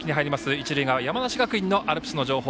一塁側山梨学院のアルプスの情報